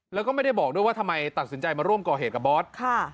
แล้วก็ไม่ได้บอกด้วยว่าทำไมตัดสินใจมาร่วมก่อเหตุกับบอส